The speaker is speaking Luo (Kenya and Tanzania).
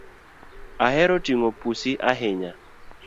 Ahero ting’o pusi ahinya